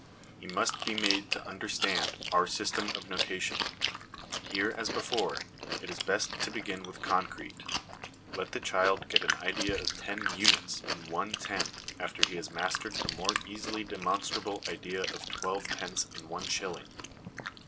He must be made to understand our system of notation. Here, as before, it is best to begin with the concrete : let the child get the idea of ten units in one ten after he has mastered the more easily demonstrable idea of twelve pence in one shilling.